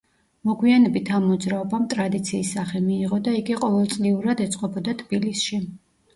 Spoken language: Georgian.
მოგვიანებით ამ მოძრაობამ ტრადიციის სახე მიიღო და იგი ყოველ წლიურად ეწყობოდა თბილისში.